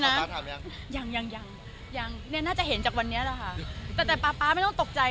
แล้วถามฝ่ายชายมันว่าเล่นแบบนี้เราสงใจ